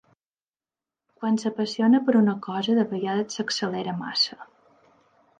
Quan s'apassiona per una cosa de vegades s'accelera massa.